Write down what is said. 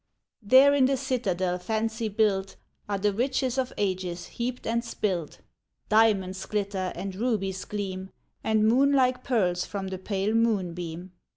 There in the citadel fancy built Are the riches of ages heaped and spilt ; Diamonds glitter and rubies gleam, And moon like pearls front the pale moonbeam.